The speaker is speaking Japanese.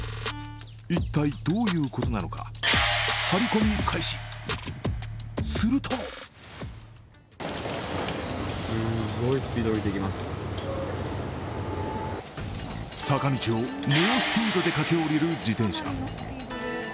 一体どういうことなのかハリコミ開始、すると坂道を猛スピードで駆け下りる自転車。